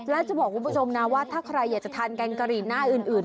และจะบอกคุณผู้ชมนะว่าถ้าใครอยากจะทานแกงกะหรี่หน้าอื่น